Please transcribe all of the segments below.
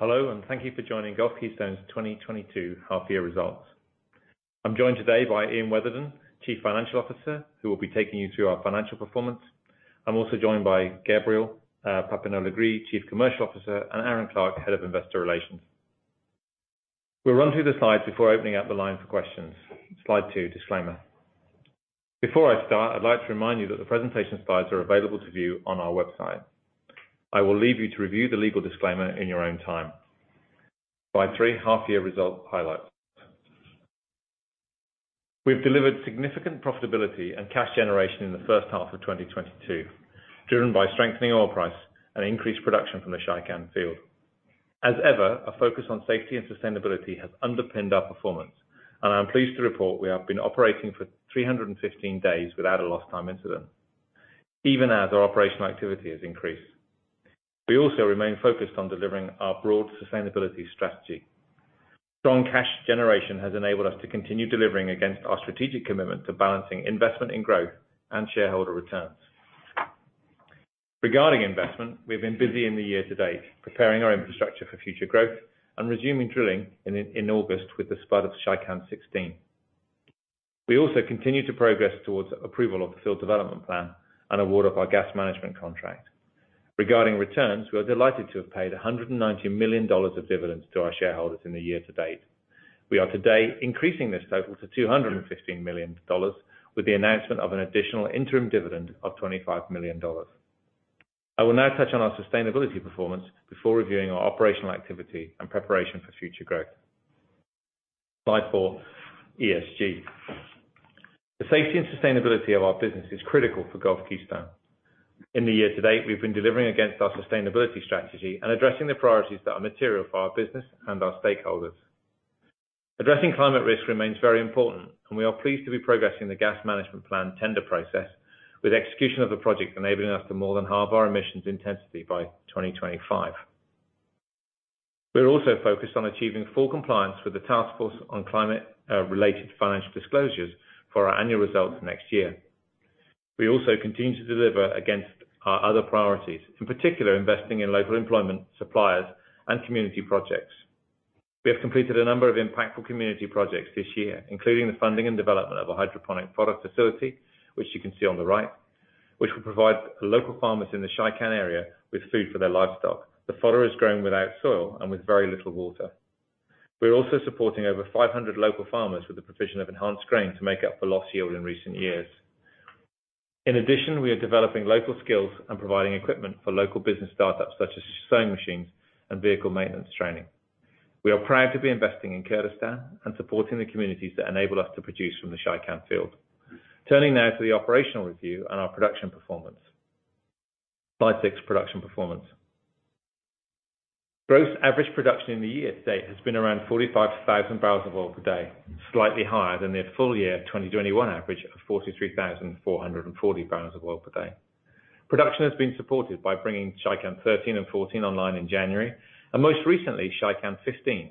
Hello, and thank you for joining Gulf Keystone's 2022 half-year results. I'm joined today by Ian Weatherdon, Chief Financial Officer, who will be taking you through our financial performance. I'm also joined by Gabriel Papineau-Legris, Chief Commercial Officer, and Aaron Clark, Head of Investor Relations. We'll run through the slides before opening up the line for questions. Slide two, disclaimer. Before I start, I'd like to remind you that the presentation slides are available to view on our website. I will leave you to review the legal disclaimer in your own time. Slide three, half-year results highlights. We've delivered significant profitability and cash generation in the first half of 2022, driven by strengthening oil price and increased production from the Shaikan field. As ever, a focus on safety and sustainability has underpinned our performance, and I am pleased to report we have been operating for 315 days without a lost time incident, even as our operational activity has increased. We also remain focused on delivering our broad sustainability strategy. Strong cash generation has enabled us to continue delivering against our strategic commitment to balancing investment in growth and shareholder returns. Regarding investment, we've been busy in the year to date, preparing our infrastructure for future growth and resuming drilling in August with the spud of Shaikan-16. We also continue to progress towards approval of the Field Development Plan and award of our gas management contract. Regarding returns, we are delighted to have paid $190 million of dividends to our shareholders in the year to date. We are today increasing this total to $215 million with the announcement of an additional interim dividend of $25 million. I will now touch on our sustainability performance before reviewing our operational activity and preparation for future growth. Slide four, ESG. The safety and sustainability of our business is critical for Gulf Keystone. In the year to date, we've been delivering against our sustainability strategy and addressing the priorities that are material for our business and our stakeholders. Addressing climate risk remains very important, and we are pleased to be progressing the gas management plan tender process with execution of the project enabling us to more than halve our emissions intensity by 2025. We're also focused on achieving full compliance with the Task Force on Climate-related Financial Disclosures for our annual results next year. We also continue to deliver against our other priorities, in particular, investing in local employment, suppliers, and community projects. We have completed a number of impactful community projects this year, including the funding and development of a hydroponic product facility, which you can see on the right, which will provide local farmers in the Shaikan area with food for their livestock. The fodder is grown without soil and with very little water. We are also supporting over 500 local farmers with the provision of enhanced grain to make up for lost yield in recent years. In addition, we are developing local skills and providing equipment for local business startups such as sewing machines and vehicle maintenance training. We are proud to be investing in Kurdistan and supporting the communities that enable us to produce from the Shaikan field. Turning now to the operational review and our production performance. Slide six, production performance. Gross average production in the year to date has been around 45,000 barrels of oil per day, slightly higher than their full year 2021 average of 43,440 barrels of oil per day. Production has been supported by bringing Shaikan 13 and 14 online in January, and most recently Shaikan 15,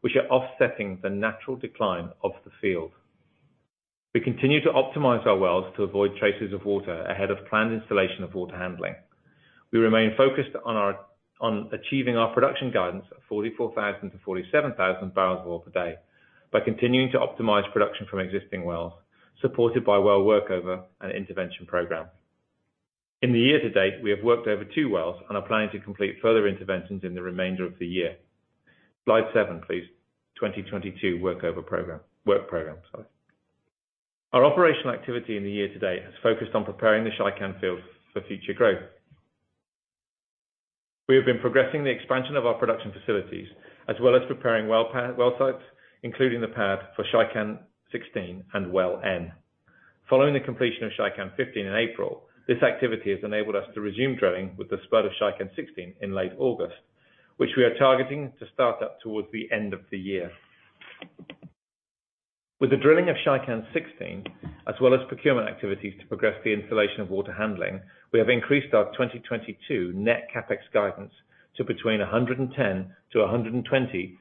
which are offsetting the natural decline of the field. We continue to optimize our wells to avoid traces of water ahead of planned installation of water handling. We remain focused on achieving our production guidance of 44,000-47,000 barrels of oil per day by continuing to optimize production from existing wells, supported by well workover and intervention program. In the year to date, we have worked over two wells and are planning to complete further interventions in the remainder of the year. Slide seven, please. 2022 work program, sorry. Our operational activity in the year to date has focused on preparing the Shaikan field for future growth. We have been progressing the expansion of our production facilities as well as preparing well sites, including the pad for Shaikan 16 and Well N. Following the completion of Shaikan 15 in April, this activity has enabled us to resume drilling with the spud of Shaikan 16 in late August, which we are targeting to start up towards the end of the year. With the drilling of Shaikan 16 as well as procurement activities to progress the installation of water handling, we have increased our 2022 net CapEx guidance to $110 million-$120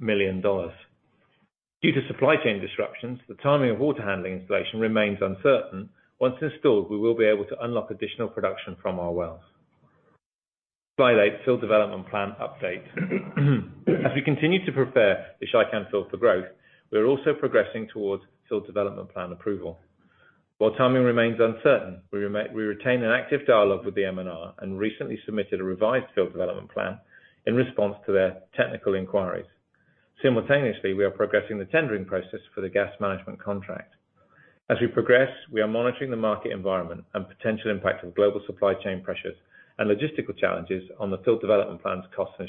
million. Due to supply chain disruptions, the timing of water handling installation remains uncertain. Once installed, we will be able to unlock additional production from our wells. Slide eight, field development plan update. As we continue to prepare the Shaikan field for growth, we are also progressing towards field development plan approval. While timing remains uncertain, we retain an active dialogue with the MNR and recently submitted a revised field development plan in response to their technical inquiries. Simultaneously, we are progressing the tendering process for the gas management contract. As we progress, we are monitoring the market environment and potential impact of global supply chain pressures and logistical challenges on the field development plan's cost and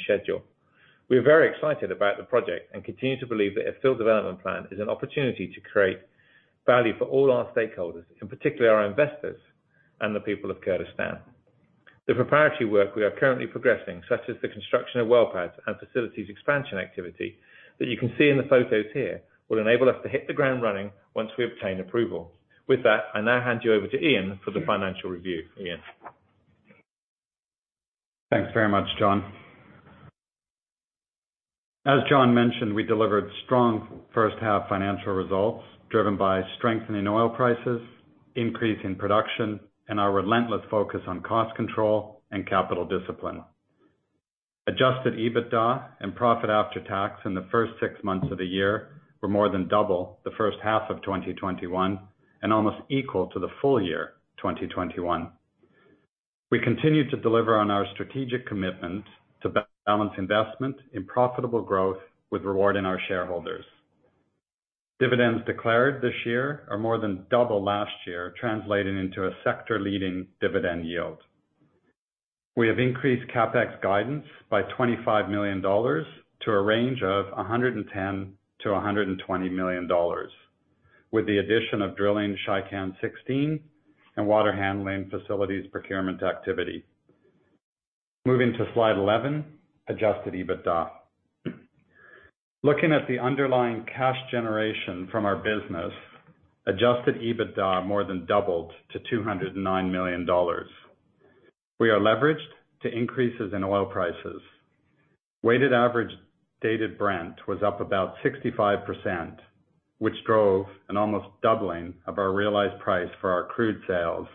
schedule. We are very excited about the project and continue to believe that a field development plan is an opportunity to create value for all our stakeholders, and particularly our investors and the people of Kurdistan. The proprietary work we are currently progressing, such as the construction of well pads and facilities expansion activity that you can see in the photos here, will enable us to hit the ground running once we obtain approval. With that, I now hand you over to Ian for the financial review. Ian? Thanks very much, Jon. As Jon mentioned, we delivered strong first half financial results driven by strengthening oil prices, increase in production, and our relentless focus on cost control and capital discipline. Adjusted EBITDA and profit after tax in the first six months of the year were more than double the first half of 2021 and almost equal to the full year, 2021. We continued to deliver on our strategic commitment to balance investment in profitable growth with rewarding our shareholders. Dividends declared this year are more than double last year, translating into a sector-leading dividend yield. We have increased CapEx guidance by $25 million to a range of $110 million-$120 million, with the addition of drilling Shaikan-16 and water handling facilities procurement activity. Moving to slide 11, Adjusted EBITDA. Looking at the underlying cash generation from our business, Adjusted EBITDA more than doubled to $209 million. We are leveraged to increases in oil prices. Weighted average dated Brent was up about 65%, which drove an almost doubling of our realized price for our crude sales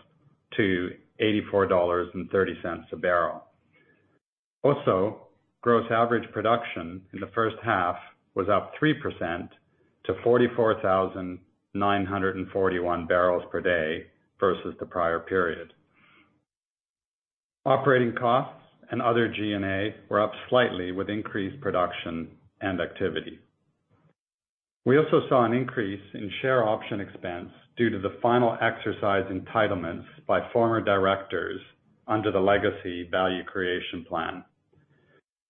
to $84.30 a barrel. Also, gross average production in the first half was up 3% to 44,941 barrels per day versus the prior period. Operating costs and other G&A were up slightly with increased production and activity. We also saw an increase in share option expense due to the final exercise entitlements by former directors under the legacy Value Creation Plan.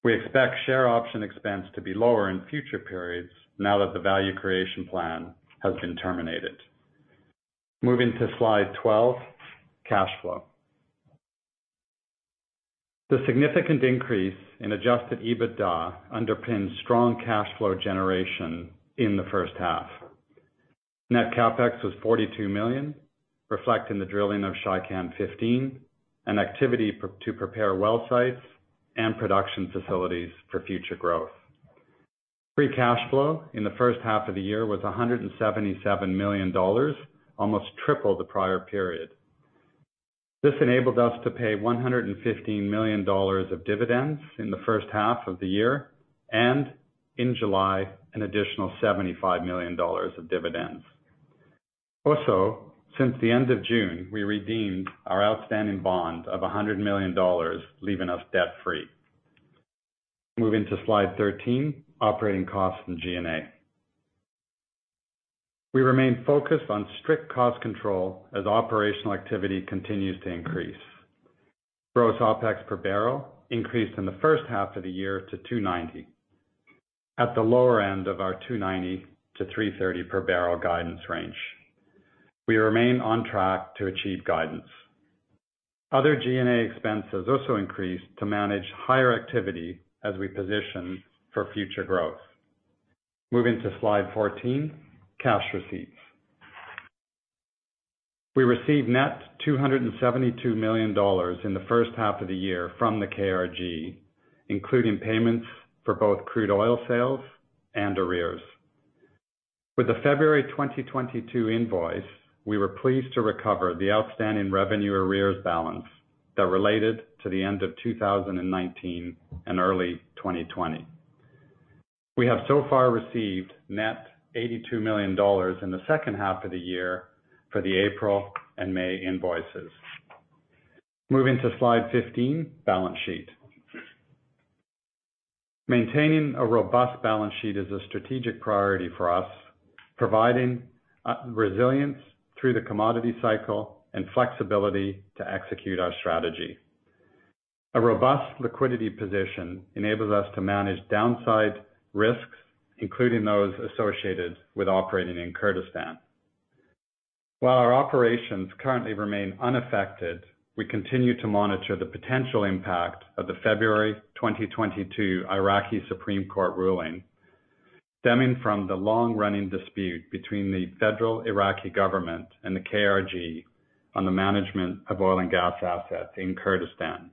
We expect share option expense to be lower in future periods now that the Value Creation Plan has been terminated. Moving to slide 12, cash flow. The significant increase in Adjusted EBITDA underpins strong cash flow generation in the first half. Net CapEx was $42 million, reflecting the drilling of Shaikan-15 and activity to prepare well sites and production facilities for future growth. Free cash flow in the first half of the year was $177 million, almost triple the prior period. This enabled us to pay $115 million of dividends in the first half of the year, and in July, an additional $75 million of dividends. Also, since the end of June, we redeemed our outstanding bond of $100 million, leaving us debt-free. Moving to slide 13, operating costs and G&A. We remain focused on strict cost control as operational activity continues to increase. Gross OPEX per barrel increased in the first half of the year to $2.90, at the lower end of our $2.90-$3.30 per barrel guidance range. We remain on track to achieve guidance. Other G&A expenses also increased to manage higher activity as we position for future growth. Moving to slide 14, cash receipts. We received net $272 million in the first half of the year from the KRG, including payments for both crude oil sales and arrears. With the February 2022 invoice, we were pleased to recover the outstanding revenue arrears balance that related to the end of 2019 and early 2020. We have so far received net $82 million in the second half of the year for the April and May invoices. Moving to slide 15, balance sheet. Maintaining a robust balance sheet is a strategic priority for us, providing resilience through the commodity cycle and flexibility to execute our strategy. A robust liquidity position enables us to manage downside risks, including those associated with operating in Kurdistan. While our operations currently remain unaffected, we continue to monitor the potential impact of the February 2022 Federal Supreme Court of Iraq ruling, stemming from the long-running dispute between the federal Iraqi government and the KRG on the management of oil and gas assets in Kurdistan.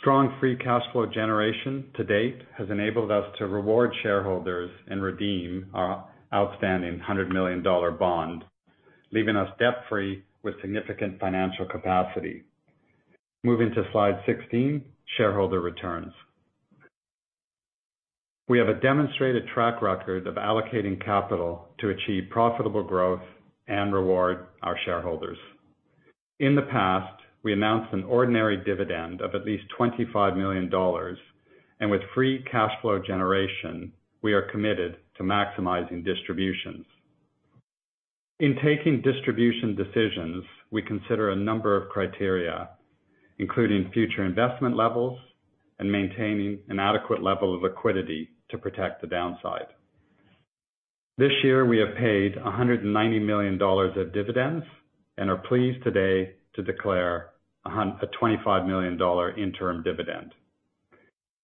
Strong free cash flow generation to date has enabled us to reward shareholders and redeem our outstanding $100 million bond, leaving us debt-free with significant financial capacity. Moving to slide 16, shareholder returns. We have a demonstrated track record of allocating capital to achieve profitable growth and reward our shareholders. In the past, we announced an ordinary dividend of at least $25 million, and with free cash flow generation, we are committed to maximizing distributions. In taking distribution decisions, we consider a number of criteria, including future investment levels and maintaining an adequate level of liquidity to protect the downside. This year, we have paid $190 million of dividends and are pleased today to declare a $25 million interim dividend.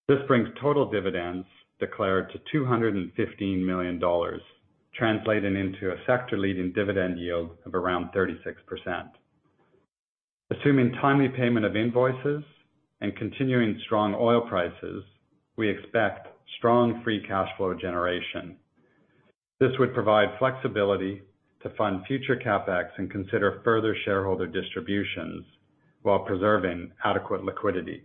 This brings total dividends declared to $215 million, translating into a sector-leading dividend yield of around 36%. Assuming timely payment of invoices and continuing strong oil prices, we expect strong free cash flow generation. This would provide flexibility to fund future CapEx and consider further shareholder distributions while preserving adequate liquidity.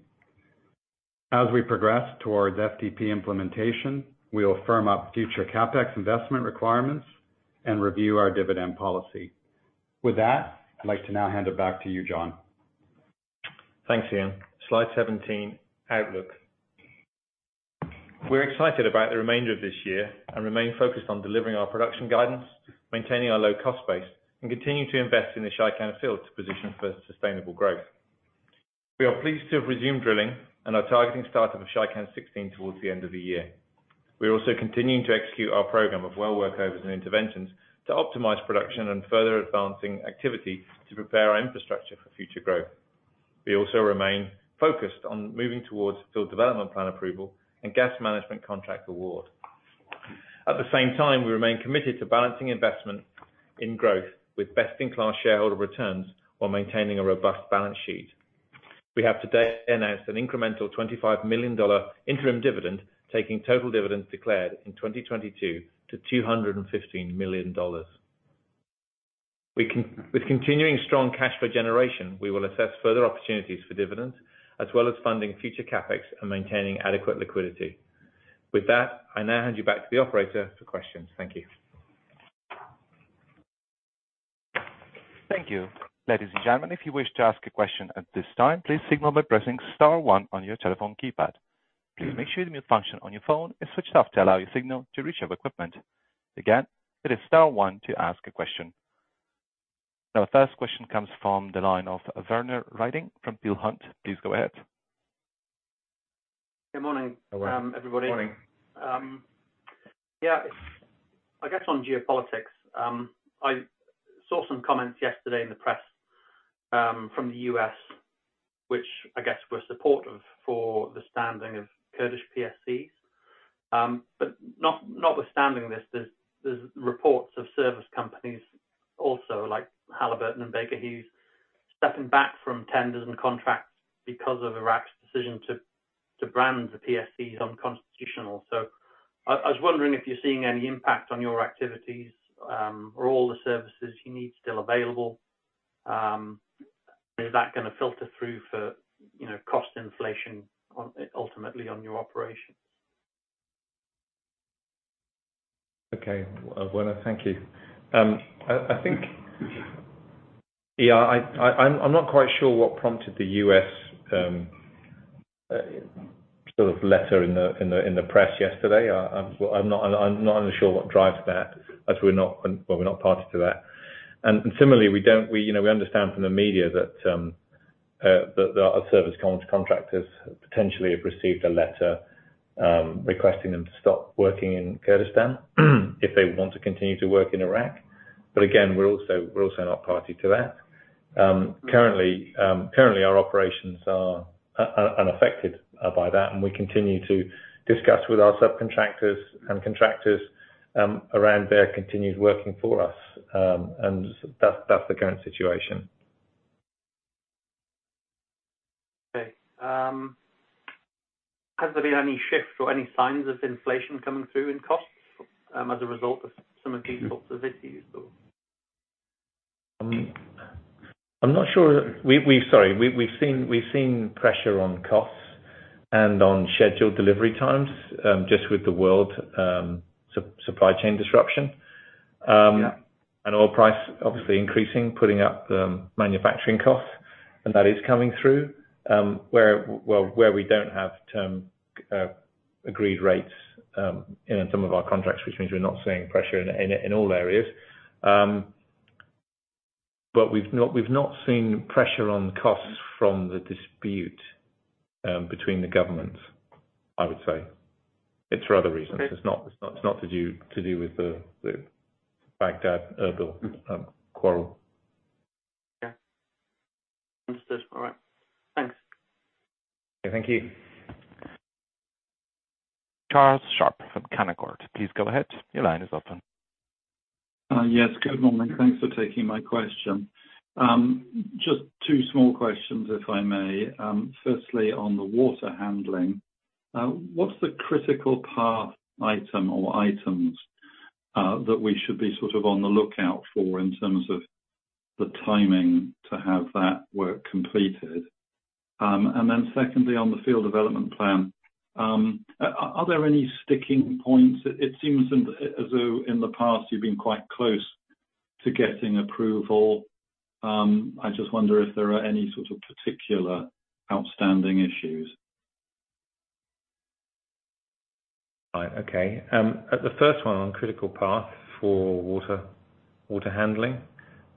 As we progress towards FTP implementation, we will firm up future CapEx investment requirements and review our dividend policy. With that, I'd like to now hand it back to you, Jon. Thanks, Ian. Slide 17, outlook. We're excited about the remainder of this year and remain focused on delivering our production guidance, maintaining our low cost base, and continue to invest in the Shaikan field to position for sustainable growth. We are pleased to have resumed drilling and are targeting startup of Shaikan-16 towards the end of the year. We are also continuing to execute our program of well workovers and interventions to optimize production and further advancing activity to prepare our infrastructure for future growth. We also remain focused on moving towards Field Development Plan approval and gas management contract award. At the same time, we remain committed to balancing investment in growth with best-in-class shareholder returns while maintaining a robust balance sheet. We have today announced an incremental $25 million interim dividend, taking total dividends declared in 2022 to $215 million. With continuing strong cash flow generation, we will assess further opportunities for dividends as well as funding future CapEx and maintaining adequate liquidity. With that, I now hand you back to the operator for questions. Thank you. Thank you. Ladies and gentlemen, if you wish to ask a question at this time, please signal by pressing star one on your telephone keypad. Please make sure the mute function on your phone is switched off to allow your signal to reach our equipment. Again, it is star one to ask a question. Our first question comes from the line of Werner Riding from Peel Hunt. Please go ahead. Good morning, everybody. Morning. Yeah. I guess on geopolitics, I saw some comments yesterday in the press, from the U.S., which I guess were supportive for the standing of Kurdish PSCs. But notwithstanding this, there's reports of service companies also like Halliburton and Baker Hughes, stepping back from tenders and contracts because of Iraq's decision to brand the PSCs unconstitutional. I was wondering if you're seeing any impact on your activities, are all the services you need still available? Is that gonna filter through for, you know, cost inflation on ultimately on your operations? Okay. Werner, thank you. I'm not quite sure what prompted the U.S. sort of letter in the press yesterday. I'm not really sure what drives that as we're not, well, we're not party to that. Similarly, you know, we understand from the media that our service contractors potentially have received a letter requesting them to stop working in Kurdistan if they want to continue to work in Iraq. Again, we're also not party to that. Currently, our operations are unaffected by that, and we continue to discuss with our subcontractors and contractors around their continued working for us. That's the current situation. Okay. Has there been any shift or any signs of inflation coming through in costs, as a result of some of these sorts of issues or? I'm not sure. Sorry. We've seen pressure on costs and on scheduled delivery times, just with the world supply chain disruption. Yeah. Oil price obviously increasing, putting up the manufacturing costs, and that is coming through, well, where we don't have term agreed rates in some of our contracts, which means we're not seeing pressure in all areas. But we've not seen pressure on costs from the dispute between the governments, I would say. It's for other reasons. Okay. It's not to do with the Baghdad-Erbil quarrel. Yeah. Understood. All right. Thanks. Thank you. Charlie Sharp from Canaccord. Please go ahead. Your line is open. Yes, good morning. Thanks for taking my question. Just two small questions, if I may. Firstly, on the water handling, what's the critical path item or items that we should be sort of on the lookout for in terms of the timing to have that work completed? And then secondly, on the Field Development Plan, are there any sticking points? It seems as though in the past you've been quite close to getting approval. I just wonder if there are any sort of particular outstanding issues. Right. Okay. The first one on critical path for water handling.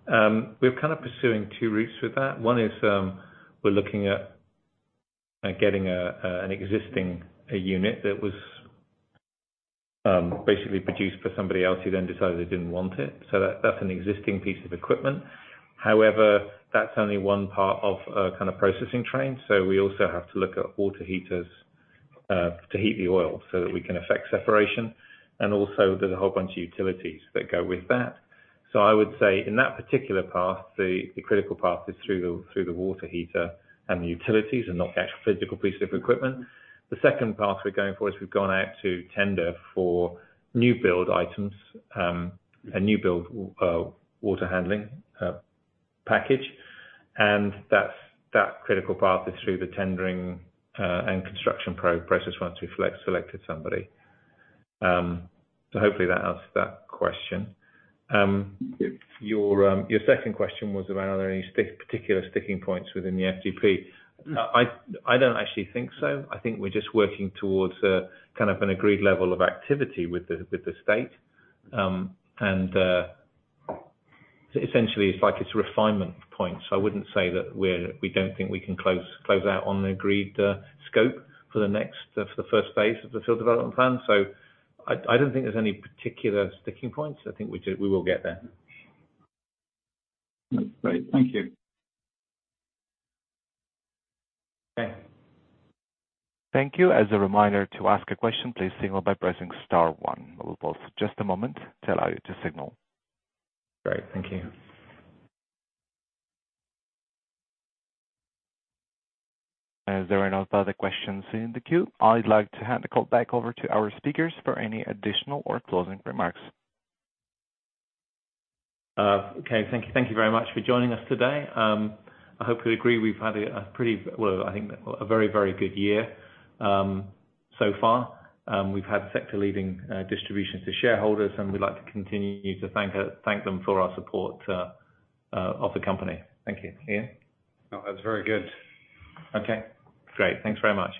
We're kind of pursuing two routes with that. One is, we're looking at getting an existing unit that was basically produced for somebody else who then decided they didn't want it. That, that's an existing piece of equipment. However, that's only one part of a kinda processing train, we also have to look at water heaters to heat the oil so that we can effect separation. Also there's a whole bunch of utilities that go with that. I would say in that particular path, the critical path is through the water heater and the utilities and not the actual physical pieces of equipment. The second path we're going for is we've gone out to tender for new build items, a new build water handling package. That critical path is through the tendering and construction process once we've selected somebody. Hopefully that answers that question. Yep. Your second question was around, are there any particular sticking points within the FDP? Mm. I don't actually think so. I think we're just working towards a kind of an agreed level of activity with the state. Essentially, it's like it's refinement points. I wouldn't say that we don't think we can close out on the agreed scope for the first phase of the Field Development Plan. I don't think there's any particular sticking points. I think we will get there. That's great. Thank you. Okay. Thank you. As a reminder, to ask a question, please signal by pressing star one. We'll pause for just a moment to allow you to signal. Great. Thank you. As there are no further questions in the queue, I'd like to hand the call back over to our speakers for any additional or closing remarks. Okay. Thank you very much for joining us today. I hope you agree we've had, well, I think a very, very good year so far. We've had sector-leading distributions to shareholders, and we'd like to continue to thank them for their support of the company. Thank you. Ian? Oh, that's very good. Okay, great. Thanks very much.